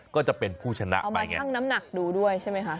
ก็จะเป็นผู้ชนะเอามาชั่งน้ำหนักดูด้วยใช่ไหมคะ